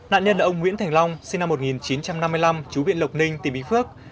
nạn nhân ông nguyễn thành long sinh năm một nghìn chín trăm năm mươi năm chú viện lộc ninh tỉnh bình phước